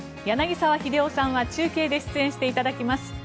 柳澤秀夫さんは中継で出演していただきます。